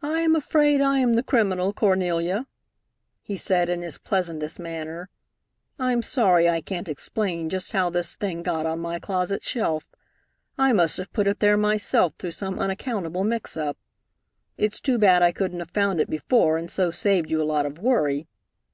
"I am afraid I am the criminal, Cornelia," he said in his pleasantest manner. "I'm sorry I can't explain just how this thing got on my closet shelf. I must have put it there myself through some unaccountable mix up. It's too bad I couldn't have found it before and so saved you a lot of worry.